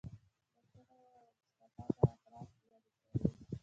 ډاکتر وويل چې سبا به اپرات لرې کوي.